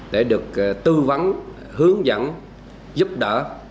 để được tư vấn hướng dẫn giúp đỡ